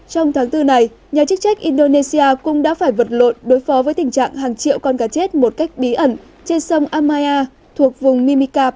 trong tháng bốn này nhà chức trách indonesia cũng đã phải vật lộn đối phó với tình trạng hàng triệu con cá chết một cách bí ẩn trên sông amaya thuộc vùng mimika